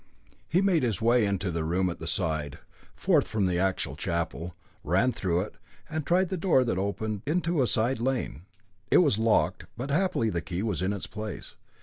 He made his way into the room at the side, forth from the actual chapel, ran through it, and tried the door that opened into a side lane. It was locked, but happily the key was in its place.